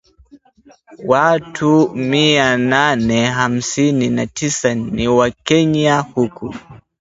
Watu mia nane hamsini na tisa ni wakenya huku